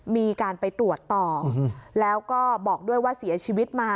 มีการไปตรวจต่อแล้วก็บอกด้วยว่าเสียชีวิตมา